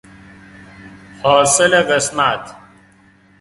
حاصل قسمت